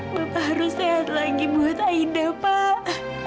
bapak harus sehat lagi buat aida pak